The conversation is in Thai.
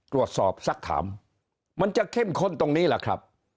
สักถามมันจะเข้มข้นตรงนี้แหละครับ